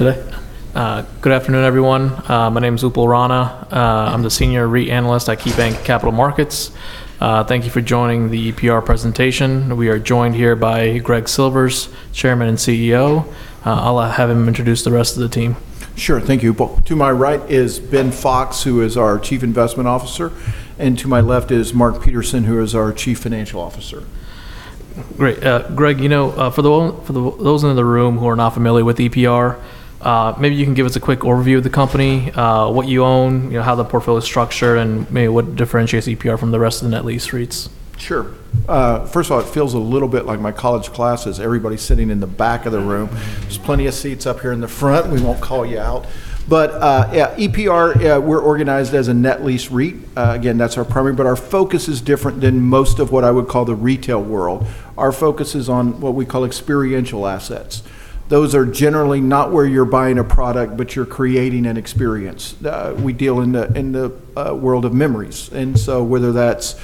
Today. Good afternoon, everyone. My name is Upal Rana. I'm the Senior REIT Analyst at KeyBanc Capital Markets. Thank you for joining the EPR presentation. We are joined here by Greg Silvers, Chairman and CEO. I'll have him introduce the rest of the team. Sure. Thank you, Upal. To my right is Ben Fox, who is our Chief Investment Officer, and to my left is Mark Peterson, who is our Chief Financial Officer. Great. Greg, for those in the room who are not familiar with EPR, maybe you can give us a quick overview of the company, what you own, how the portfolio is structured, and maybe what differentiates EPR from the rest of the net lease REITs. Sure. First of all, it feels a little bit like my college classes, everybody sitting in the back of the room. There's plenty of seats up here in the front. We won't call you out. EPR, we're organized as a net lease REIT. Again, that's our primary, but our focus is different than most of what I would call the retail world. Our focus is on what we call experiential assets. Those are generally not where you're buying a product, but you're creating an experience. We deal in the world of memories, whether that's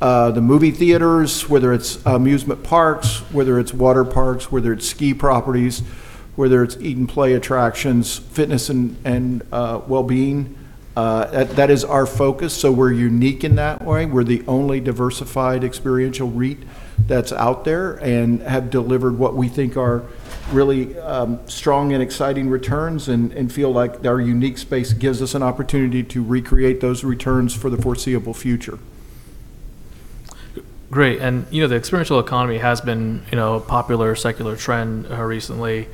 the movie theaters, whether it's amusement parks, whether it's water parks, whether it's Ski properties, whether it's eat-and-play attractions, fitness and wellbeing, that is our focus. We're unique in that way. We're the only diversified experiential REIT that's out there, and have delivered what we think are really strong and exciting returns, and feel like our unique space gives us an opportunity to recreate those returns for the foreseeable future. Great. The experiential economy has been a popular secular trend recently.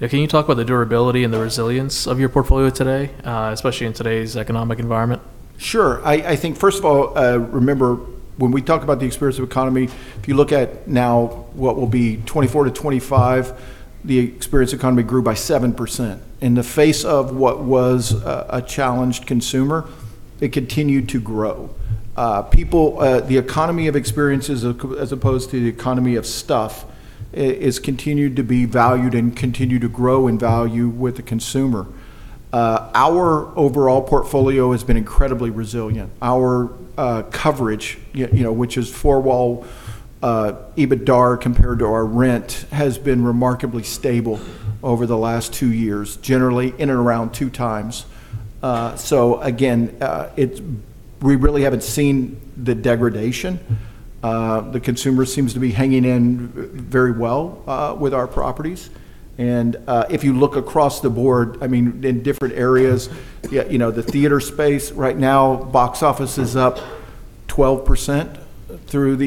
Can you talk about the durability and the resilience of your portfolio today, especially in today's economic environment? Sure. I think first of all, remember, when we talk about the experience of economy, if you look at now what will be 2024 to 2025, the experience economy grew by 7%. In the face of what was a challenged consumer, it continued to grow. The economy of experiences as opposed to the economy of stuff, has continued to be valued and continue to grow in value with the consumer. Our overall portfolio has been incredibly resilient. Our coverage, which is four-wall EBITDA compared to our rent, has been remarkably stable over the last two years, generally in and around two times. Again, we really haven't seen the degradation. The consumer seems to be hanging in very well with our properties. If you look across the board, in different areas, the theater space right now, box office is up 12% through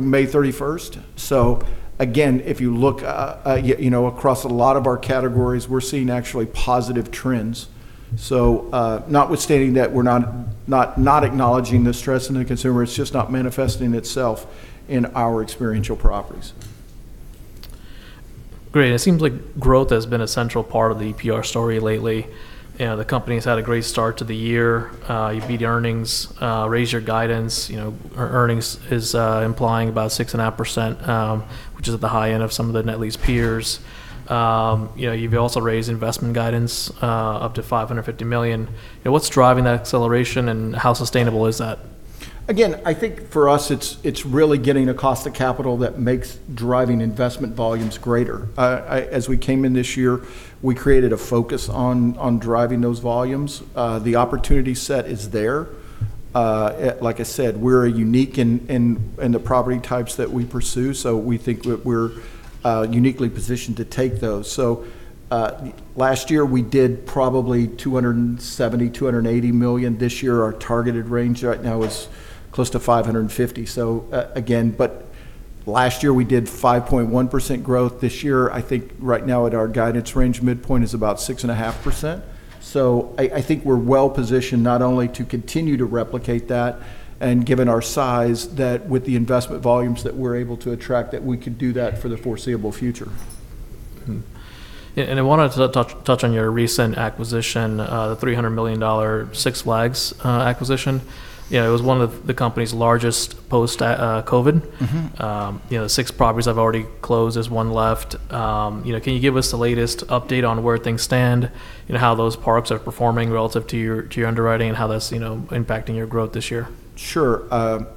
May 31st. Again, if you look across a lot of our categories, we're seeing actually positive trends. Notwithstanding that we're not acknowledging the stress in the consumer, it's just not manifesting itself in our Experiential properties. Great. It seems like growth has been a central part of the EPR story lately. The company's had a great start to the year. You beat earnings, raised your guidance. Earnings is implying about 6.5%, which is at the high end of some of the net lease peers. You've also raised investment guidance up to $550 million. What's driving that acceleration, and how sustainable is that? Again, I think for us it's really getting the cost of capital that makes driving investment volumes greater. As we came in this year, we created a focus on driving those volumes. The opportunity set is there. Like I said, we're unique in the property types that we pursue, so we think that we're uniquely-positioned to take those. Last year we did probably $270 million, $280 million. This year, our targeted range right now is close to $550 million. Last year we did 5.1% growth. This year, I think right now at our guidance range midpoint is about 6.5%. I think we're well-positioned not only to continue to replicate that, and given our size, that with the investment volumes that we're able to attract, that we could do that for the foreseeable future. I wanted to touch on your recent acquisition, the $300 million Six Flags acquisition. It was one of the company's largest post-COVID. Six Properties have already closed. There's one left. Can you give us the latest update on where things stand and how those parks are performing relative to your underwriting, and how that's impacting your growth this year? Sure.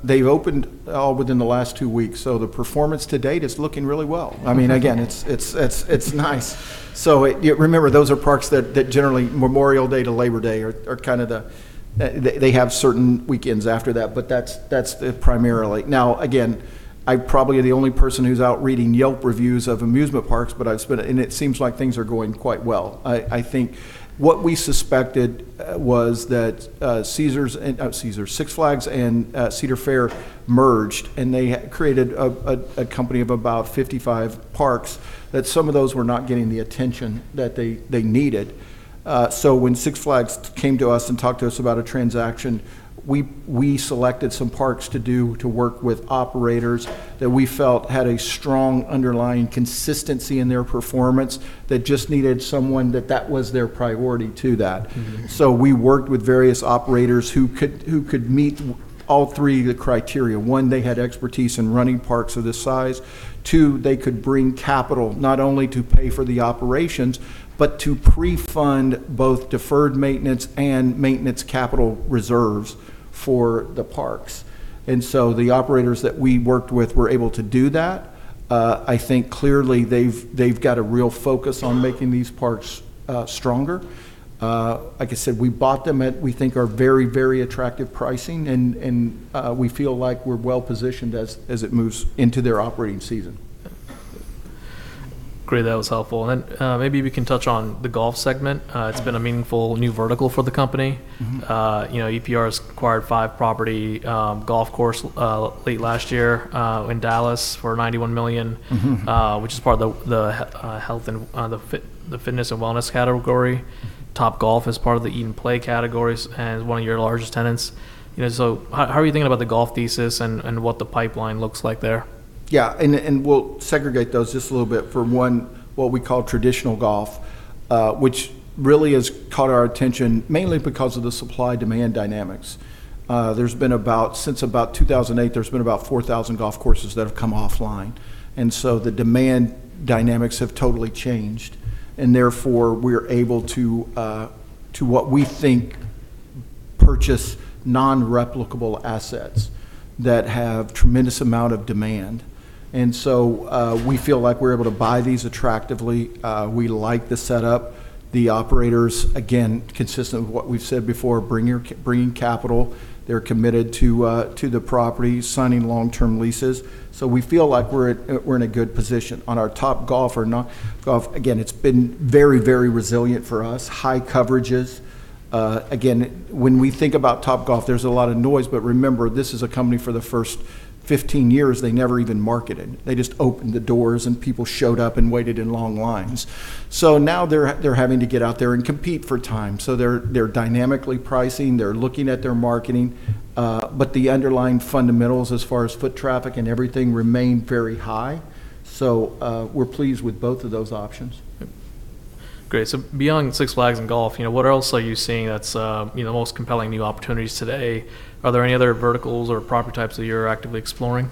They've opened all within the last two weeks, so the performance to date is looking really well. Again, it's nice. Remember, those are parks that generally Memorial Day to Labor Day are kind of the They have certain weekends after that, but that's it primarily. Again, I probably am the only person who's out reading Yelp reviews of amusement parks, and it seems like things are going quite well. I think what we suspected was that Six Flags and Cedar Fair merged, and they created a company of about 55 parks, that some of those were not getting the attention that they needed. When Six Flags came to us and talked to us about a transaction, we selected some parks to do, to work with operators that we felt had a strong underlying consistency in their performance that just needed someone that was their priority to that. We worked with various operators who could meet all three of the criteria. one, they had expertise in running parks of this size. Two, they could bring capital not only to pay for the operations, but to pre-fund both deferred maintenance and maintenance capital reserves for the parks. The operators that we worked with were able to do that. I think clearly they've got a real focus on making these parks stronger. Like I said, we bought them at, we think, are very, very attractive pricing, and we feel like we're well-positioned as it moves into their operating season. Great. That was helpful. Maybe we can touch on the golf segment. It's been a meaningful new vertical for the company. EPR has acquired five property golf course late last year in Dallas for $91 million which is part of the health and the fitness and wellness category. Topgolf is part of the eat and play categories and is one of your largest tenants. How are you thinking about the golf thesis and what the pipeline looks like there? We'll segregate those just a little bit. For one, what we call traditional golf, which really has caught our attention mainly because of the supply-demand dynamics. Since about 2008, there's been about 4,000 golf courses that have come offline, the demand dynamics have totally changed. Therefore, we're able to what we think, purchase non-replicable assets that have tremendous amount of demand. We feel like we're able to buy these attractively. We like the setup. The operators, again, consistent with what we've said before, bring capital. They're committed to the property, signing long-term leases. We feel like we're in a good position. On our Topgolf or not Topgolf, again, it's been very resilient for us. High coverages. Again, when we think about Topgolf, there's a lot of noise, but remember, this is a company for the first 15 years, they never even marketed. They just opened the doors, and people showed up and waited in long lines. Now they're having to get out there and compete for time, so they're dynamically pricing. They're looking at their marketing. The underlying fundamentals as far as foot traffic and everything remain very high. We're pleased with both of those options. Great. Beyond Six Flags and golf, what else are you seeing that's the most compelling new opportunities today? Are there any other verticals or property types that you're actively exploring?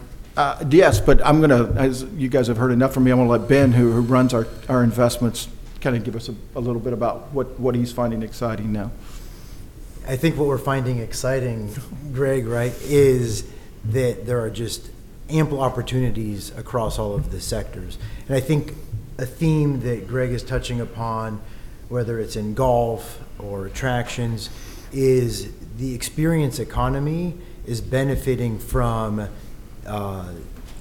Yes, as you guys have heard enough from me, I want to let Ben, who runs our investments, give us a little bit about what he's finding exciting now. I think what we're finding exciting, Greg, right, is that there are just ample opportunities across all of the sectors. I think a theme that Greg is touching upon, whether it's in golf or attractions, is the experience economy is benefiting from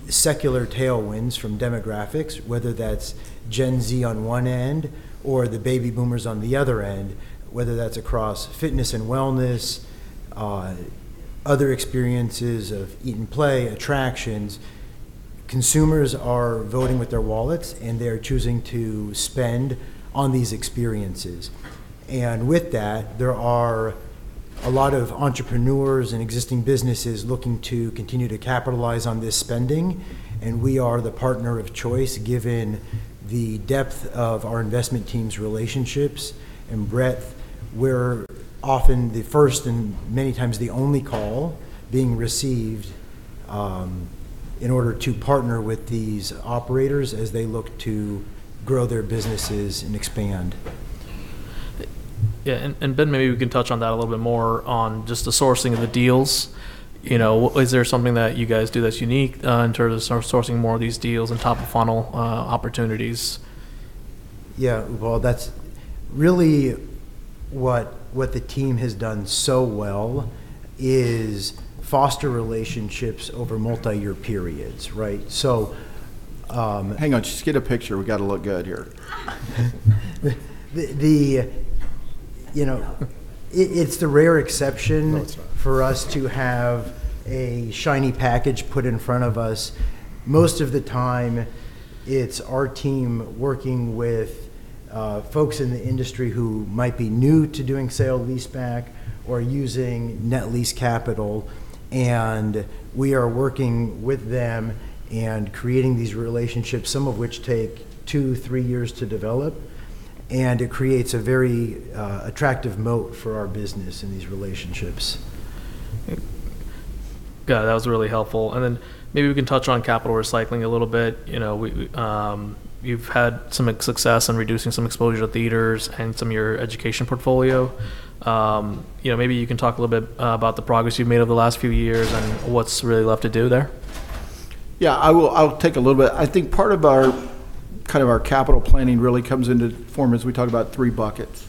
secular tailwinds from demographics, whether that's Gen Z on one end or the baby boomers on the other end, whether that's across fitness and wellness, other experiences of eat and play, attractions. Consumers are voting with their wallets, and they are choosing to spend on these experiences. With that, there are a lot of entrepreneurs and existing businesses looking to continue to capitalize on this spending, and we are the partner of choice, given the depth of our investment team's relationships and breadth. We're often the first and many times the only call being received in order to partner with these operators as they look to grow their businesses and expand. Yeah. Ben, maybe we can touch on that a little bit more on just the sourcing of the deals. Is there something that you guys do that's unique in terms of sourcing more of these deals and top-of-funnel opportunities? Yeah. Well, that's really what the team has done so well is foster relationships over multi-year periods, right? Hang on. Just get a picture. We got to look good here. It's the rare exception- No, that's fine for us to have a shiny package put in front of us. Most of the time, it's our team working with folks in the industry who might be new to doing sale-leaseback or using net lease capital. We are working with them and creating these relationships, some of which take two, three years to develop. It creates a very attractive moat for our business in these relationships. Got it. That was really helpful. Maybe we can touch on capital recycling a little bit. You've had some success in reducing some exposure to theaters and some of your education portfolio. Maybe you can talk a little bit about the progress you've made over the last few years and what's really left to do there. Yeah. I'll take a little bit. I think part of our capital planning really comes into form as we talk about three buckets.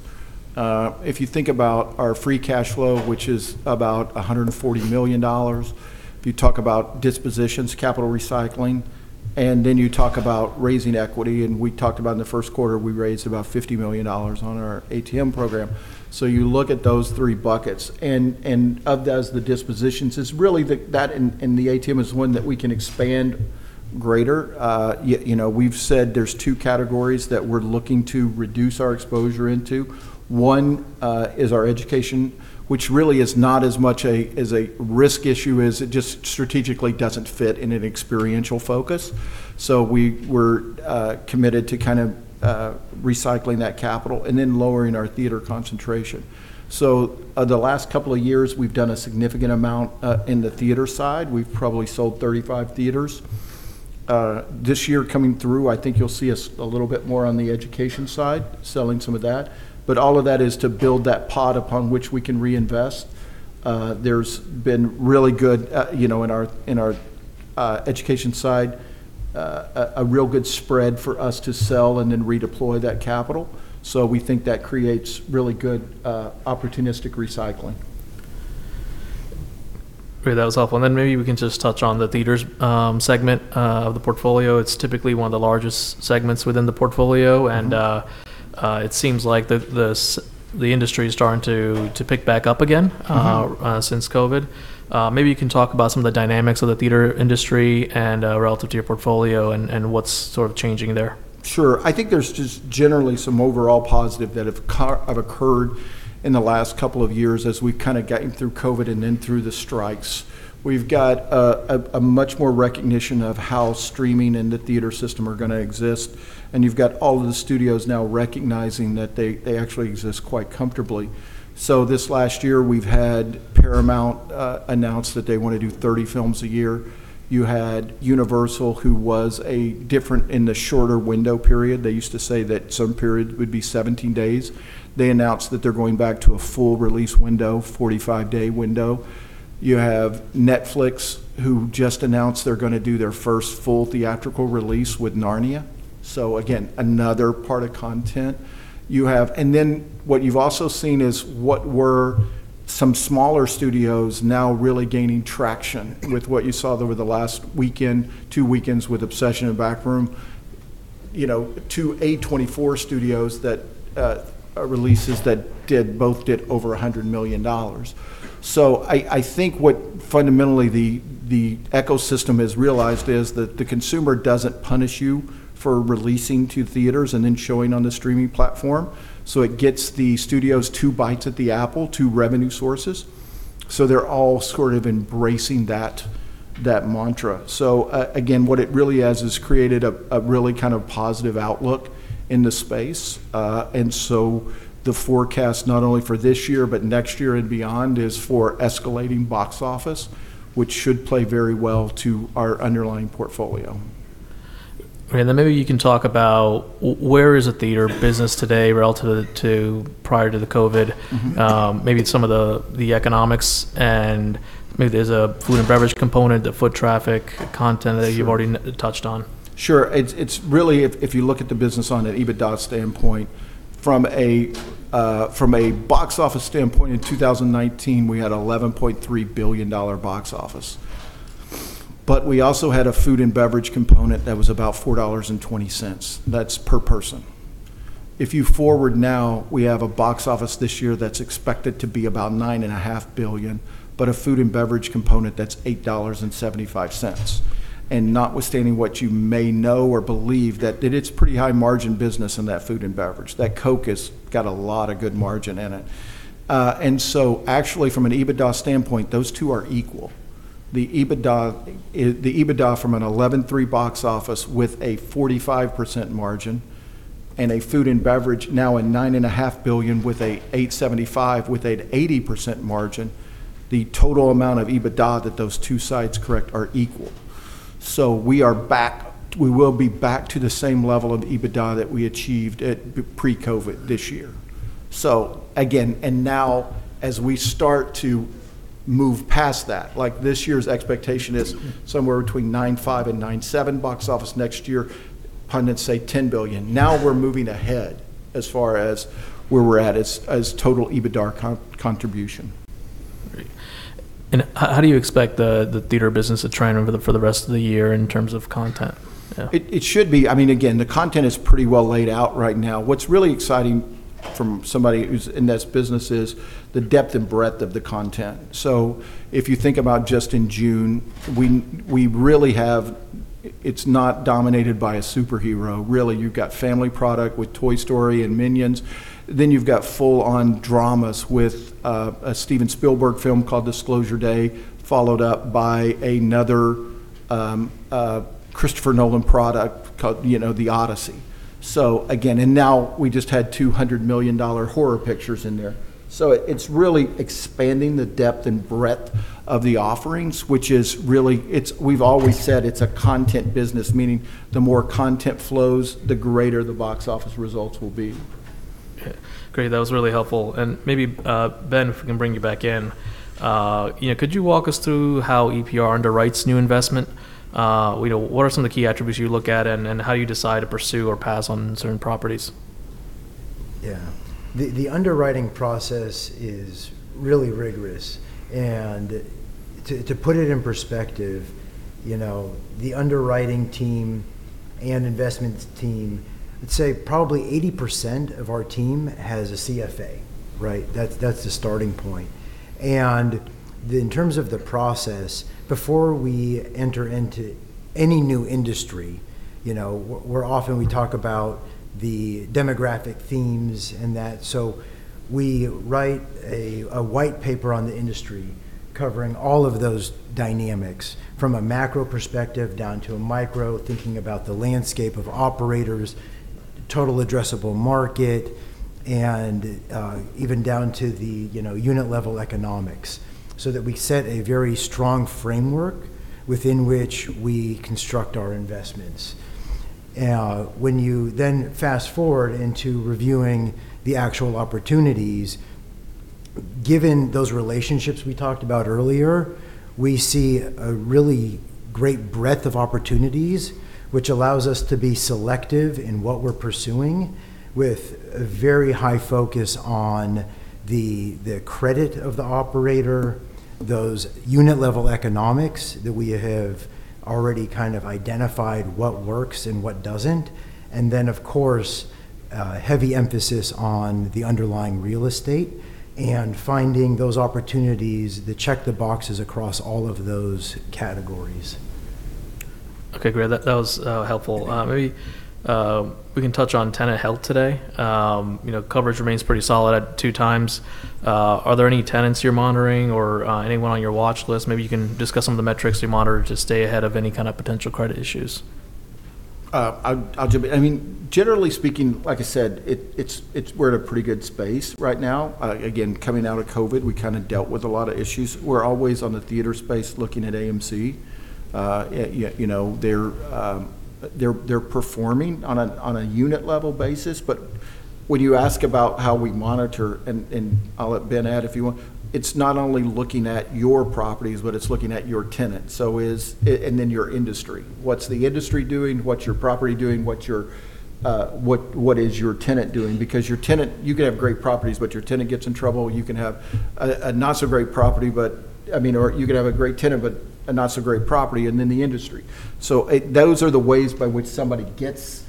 If you think about our free cash flow, which is about $140 million, if you talk about dispositions, capital recycling, you talk about raising equity, we talked about in the first quarter, we raised about $50 million on our ATM program. You look at those three buckets, of those, the dispositions, it's really that and the ATM is one that we can expand greater. We've said there's two categories that we're looking to reduce our exposure into. One is our education, which really is not as much as a risk issue as it just strategically doesn't fit in an experiential focus. We're committed to recycling that capital lowering our theater concentration. The last couple of years, we've done a significant amount in the theater side. We've probably sold 35 theaters. This year coming through, I think you'll see us a little bit more on the education side, selling some of that. All of that is to build that pot upon which we can reinvest. There's been really good, in our education side, a real good spread for us to sell and then redeploy that capital. We think that creates really good opportunistic recycling. Great. That was helpful. Then maybe we can just touch on the Theaters segment of the portfolio. It's typically one of the largest segments within the portfolio, and it seems like the industry is starting to pick back up again since COVID. Maybe you can talk about some of the dynamics of the Theater industry and relative to your portfolio and what's sort of changing there. Sure. I think there's just generally some overall positive that have occurred in the last couple of years as we've kind of gotten through COVID and then through the strikes. We've got a much more recognition of how streaming and the theater system are going to exist, and you've got all of the studios now recognizing that they actually exist quite comfortably. This last year, we've had Paramount announce that they want to do 30 films a year. You had Universal, who was a different in the shorter window period. They used to say that some period would be 17 days. They announced that they're going back to a full release window, 45-day window. You have Netflix, who just announced they're going to do their first full theatrical release with Narnia. Again, another part of content. What you've also seen is what were some smaller studios now really gaining traction with what you saw over the last weekend, two weekends with "Obsession" and "Backrooms", two A24 studios that releases that both did over $100 million. I think what fundamentally the ecosystem has realized is that the consumer doesn't punish you for releasing to theaters and then showing on the streaming platform. It gets the studios two bites at the apple, two revenue sources. They're all sort of embracing that mantra. Again, what it really is created a really kind of positive outlook in the space. The forecast, not only for this year but next year and beyond, is for escalating box office, which should play very well to our underlying portfolio. Maybe you can talk about where is the Theater business today relative to prior to the COVID? Maybe some of the economics and maybe there's a food and beverage component, the foot traffic content that you've already touched on. Sure. It's really, if you look at the business on an EBITDA standpoint, from a box office standpoint, in 2019, we had $11.3 billion box office. We also had a food and beverage component that was about $4.20. That's per person. If you forward now, we have a box office this year that's expected to be about $9.5 billion, but a food and beverage component that's $8.75. Notwithstanding what you may know or believe, that it's pretty high margin business in that food and beverage. That Coke has got a lot of good margin in it. Actually from an EBITDA standpoint, those two are equal. The EBITDA from an $11.3 billion box office with a 45% margin and a food and beverage now a $9.5 billion with a 8.75 with an 80% margin, the total amount of EBITDA that those two sides correct are equal. We will be back to the same level of EBITDA that we achieved at pre-COVID this year. Again, and now as we start to move past that, like this year's expectation is somewhere between $9.5 billion and $9.7 billion box office next year. Pundits say $10 billion. We're moving ahead as far as where we're at as total EBITDA contribution. Great. How do you expect the Theater business to trend over for the rest of the year in terms of content? It should be Again, the content is pretty well laid out right now. What's really exciting from somebody who's in this business is the depth and breadth of the content. If you think about just in June, it's not dominated by a superhero, really. You've got family product with "Toy Story" and "Minions." You've got full-on dramas with a Steven Spielberg film called "Disclosure Day," followed up by another Christopher Nolan product called "The Odyssey." Now we just had two $100 million horror pictures in there. It's really expanding the depth and breadth of the offerings, which we've always said it's a content business, meaning the more content flows, the greater the box office results will be. Great. That was really helpful. Maybe, Ben, if we can bring you back in. Could you walk us through how EPR underwrites new investment? What are some of the key attributes you look at and how you decide to pursue or pass on certain properties? Yeah. The underwriting process is really rigorous. To put it in perspective, the underwriting team and investments team, I'd say probably 80% of our team has a CFA, right? In terms of the process, before we enter into any new industry, we often talk about the demographic themes and that. We write a white paper on the industry covering all of those dynamics from a macro perspective down to a micro, thinking about the landscape of operators, total addressable market, and even down to the unit-level economics so that we set a very strong framework within which we construct our investments. When you then fast-forward into reviewing the actual opportunities. Given those relationships we talked about earlier, we see a really great breadth of opportunities, which allows us to be selective in what we're pursuing with a very high focus on the credit of the operator, those unit-level economics that we have already kind of identified what works and what doesn't, and then, of course, heavy emphasis on the underlying real estate and finding those opportunities that check the boxes across all of those categories. Okay, great. That was helpful. Thank you. Maybe we can touch on tenant health today. Coverage remains pretty solid at 2x. Are there any tenants you're monitoring or anyone on your watch list? Maybe you can discuss some of the metrics you monitor to stay ahead of any kind of potential credit issues. I'll jump in. Generally speaking, like I said, we're in a pretty good space right now. Again, coming out of COVID, we kind of dealt with a lot of issues. We're always on the theater space looking at AMC. They're performing on a unit level basis. When you ask about how we monitor, and I'll let Ben add, if you want, it's not only looking at your properties, but it's looking at your tenant and then your industry. What's the industry doing? What's your property doing? What is your tenant doing? Because you can have great properties, but your tenant gets in trouble. You can have a not-so-great property, or you could have a great tenant, but a not-so-great property, and then the industry. Those are the ways by which somebody gets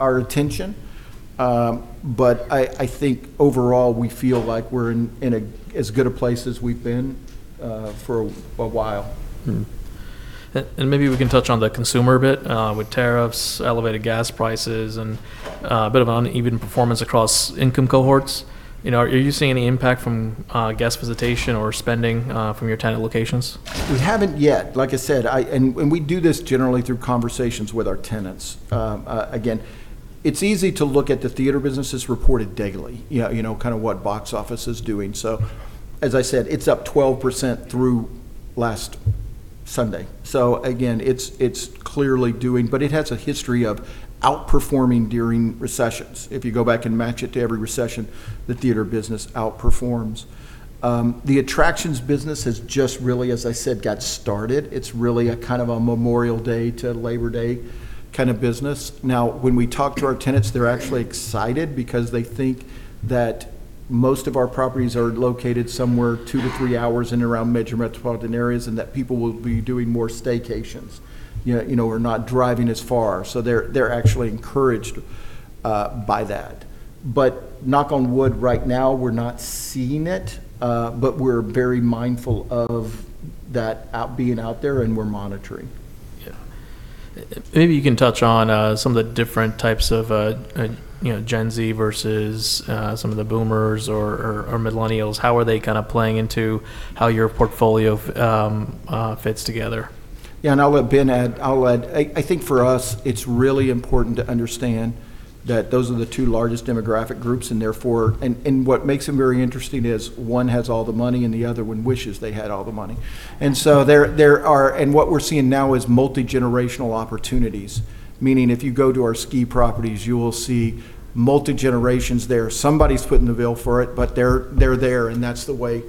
our attention, but I think overall, we feel like we're in as good a place as we've been for a while. Maybe we can touch on the consumer a bit. With tariffs, elevated gas prices, and a bit of uneven performance across income cohorts, are you seeing any impact from guest visitation or spending from your tenant locations? We haven't yet. Like I said, we do this generally through conversations with our tenants. Again, it's easy to look at the theater business as reported daily, kind of what box office is doing. As I said, it's up 12% through last Sunday. Again, it's clearly doing. It has a history of outperforming during recessions. If you go back and match it to every recession, the theater business outperforms. The Attractions business has just really, as I said, got started. It's really a kind of a Memorial Day to Labor Day kind of business. Now, when we talk to our tenants, they're actually excited because they think that most of our properties are located somewhere two to three hours in and around major metropolitan areas, and that people will be doing more staycations or not driving as far. They're actually encouraged by that. Knock on wood, right now, we're not seeing it, but we're very mindful of that being out there, and we're monitoring. Yeah. Maybe you can touch on some of the different types of Gen Z versus some of the Boomers or Millennials. How are they kind of playing into how your portfolio fits together? Yeah, I'll let Ben add. I'll add, I think for us, it's really important to understand that those are the two largest demographic groups, and therefore-- What makes them very interesting is one has all the money and the other one wishes they had all the money. What we're seeing now is multigenerational opportunities, meaning if you go to our ski properties, you will see multi-generations there. Somebody's footing the bill for it, but they're there, and that's the way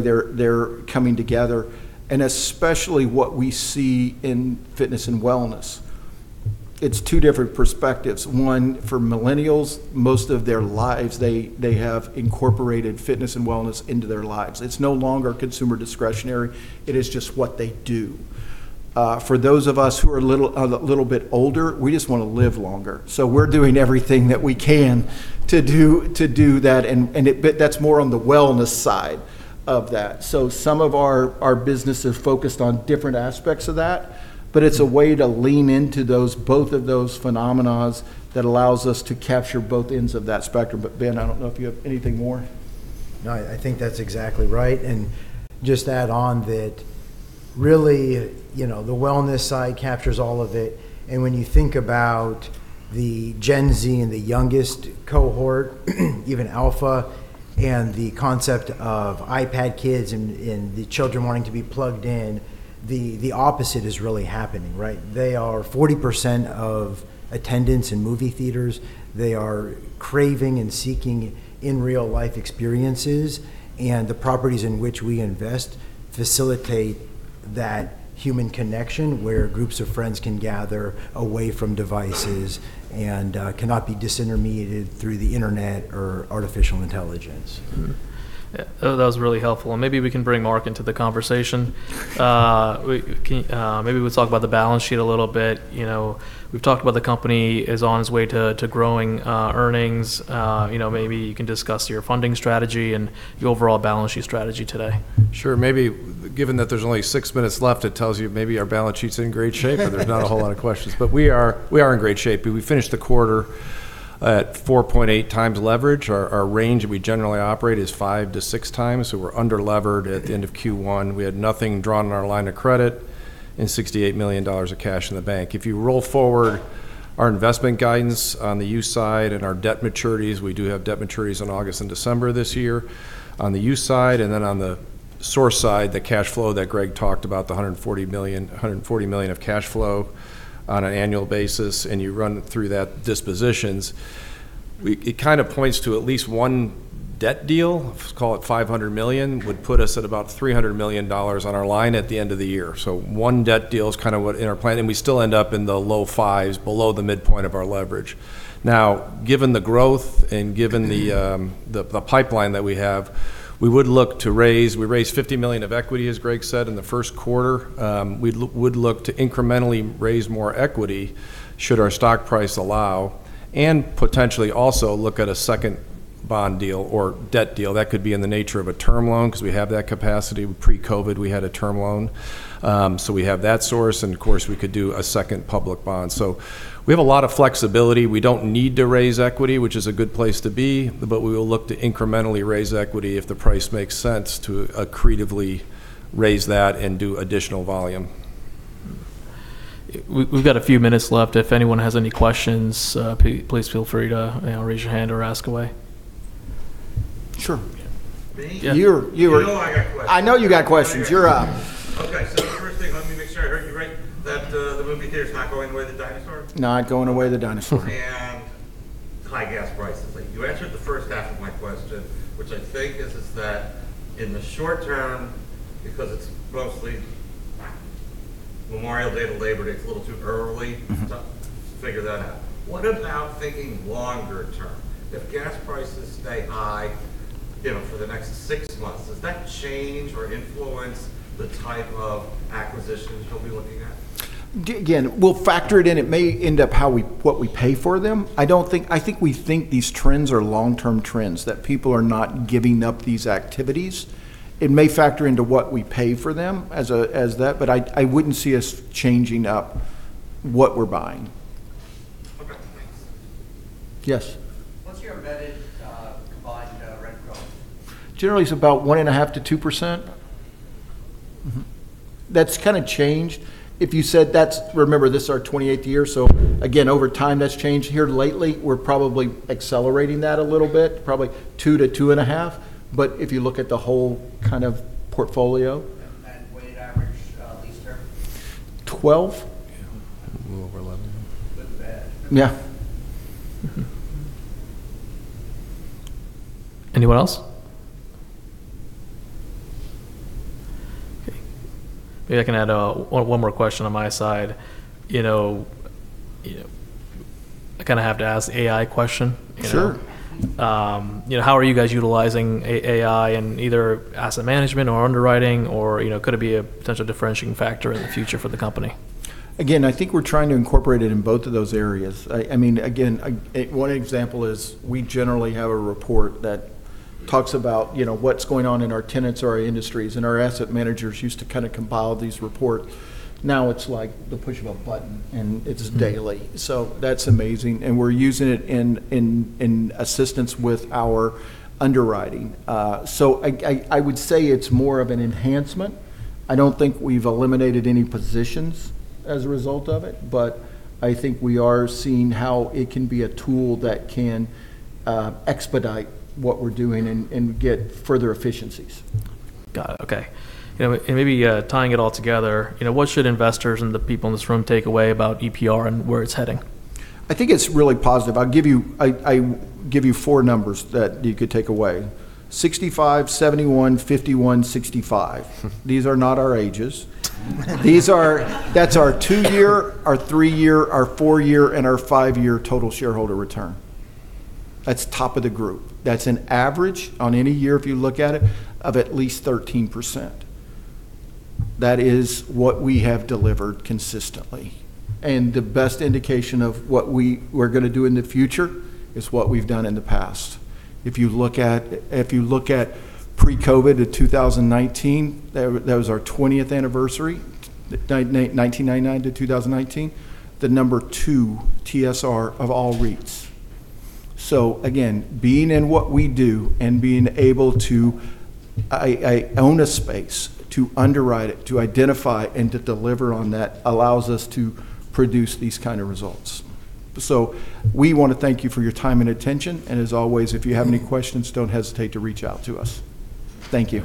they're coming together. Especially what we see in fitness and wellness, it's two different perspectives. One, for Millennials, most of their lives, they have incorporated fitness and wellness into their lives. It's no longer consumer discretionary. It is just what they do. For those of us who are a little bit older, we just want to live longer. We're doing everything that we can to do that, and that's more on the wellness side of that. Some of our business is focused on different aspects of that, but it's a way to lean into both of those phenomenas that allows us to capture both ends of that spectrum. Ben, I don't know if you have anything more. No, I think that's exactly right. Just add on that really, the wellness side captures all of it. When you think about the Gen Z and the youngest cohort, even Alpha, and the concept of iPad kids and the children wanting to be plugged in, the opposite is really happening, right? They are 40% of attendance in movie theaters. They are craving and seeking in real life experiences, and the properties in which we invest facilitate that human connection where groups of friends can gather away from devices and cannot be disintermediated through the internet or artificial intelligence. That was really helpful. Maybe we can bring Mark into the conversation. Maybe we'll talk about the balance sheet a little bit. We've talked about the company is on its way to growing earnings. Maybe you can discuss your funding strategy and your overall balance sheet strategy today. Sure. Maybe given that there's only six minutes left, it tells you maybe our balance sheet's in great shape or there's not a whole lot of questions. We are in great shape. We finished the quarter at 4.8x leverage. Our range that we generally operate is 5x-6x, so we're under-levered at the end of Q1. We had nothing drawn in our line of credit and $68 million of cash in the bank. If you roll forward our investment guidance on the U side and our debt maturities, we do have debt maturities in August and December this year on the U side, and then on the source side, the cash flow that Greg talked about, the $140 million of cash flow on an annual basis, and you run through that dispositions, it kind of points to at least one debt deal, let's call it $500 million, would put us at about $300 million on our line at the end of the year. One debt deal is kind of what in our plan, and we still end up in the low fives below the midpoint of our leverage. Now, given the growth and given the pipeline that we have, We raised $50 million of equity, as Greg said, in the first quarter. We would look to incrementally raise more equity should our stock price allow, and potentially also look at a second bond deal or debt deal. That could be in the nature of a term loan, because we have that capacity. Pre-COVID, we had a term loan, so we have that source, and of course, we could do a second public bond. We have a lot of flexibility. We don't need to raise equity, which is a good place to be. We will look to incrementally raise equity if the price makes sense to accretively raise that and do additional volume. We've got a few minutes left. If anyone has any questions, please feel free to raise your hand or ask away. Sure You're- You. I know you got questions. You're up. Okay, first thing, let me make sure I heard you right, that the movie theater's not going the way of the dinosaur? Not going away the dinosaur. High gas prices. You answered the first half of my question, which I think is that in the short term, because it's mostly Memorial Day to Labor Day, it's a little too early. to figure that out. What about thinking longer term? If gas prices stay high for the next six months, does that change or influence the type of acquisitions you'll be looking at? Again, we'll factor it in. It may end up what we pay for them. I think we think these trends are long-term trends, that people are not giving up these activities. It may factor into what we pay for them as that, but I wouldn't see us changing up what we're buying. Okay, thanks. Yes. What's your embedded combined rent growth? Generally, it's about 1.5%-2%. That's kind of changed. Remember, this is our 28th year, again, over time, that's changed. Here lately, we're probably accelerating that a little bit, probably 2%-2.5%, if you look at the whole kind of portfolio. Weighted average lease term? 12. Little over 11. Yeah. Mm-hmm. Anyone else? Okay. Maybe I can add one more question on my side. I kind of have to ask the AI question. Sure. How are you guys utilizing AI in either asset management or underwriting, or could it be a potential differentiating factor in the future for the company? I think we're trying to incorporate it in both of those areas. One example is we generally have a report that talks about what's going on in our tenants or our industries, and our asset managers used to kind of compile these reports. Now it's like the push of a button, and it's daily. That's amazing, and we're using it in assistance with our underwriting. I would say it's more of an enhancement. I don't think we've eliminated any positions as a result of it, but I think we are seeing how it can be a tool that can expedite what we're doing and get further efficiencies. Got it. Okay. Maybe tying it all together, what should investors and the people in this room take away about EPR and where it's heading? I think it's really positive. I give you 4 numbers that you could take away: 65, 71, 51, 65. These are not our ages. That's our 2-year, our 3-year, our 4-year, and our 5-year total shareholder return. That's top of the group. That's an average on any year, if you look at it, of at least 13%. That is what we have delivered consistently. The best indication of what we're going to do in the future is what we've done in the past. If you look at pre-COVID to 2019, that was our 20th anniversary, 1999 to 2019, the number 2 TSR of all REITs. Again, being in what we do and being able to own a space, to underwrite it, to identify, and to deliver on that allows us to produce these kind of results. We want to thank you for your time and attention, and as always, if you have any questions, don't hesitate to reach out to us. Thank you.